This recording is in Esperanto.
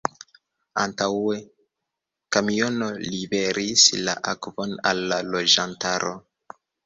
Antaŭe kamiono liveris la akvon al la loĝantaro.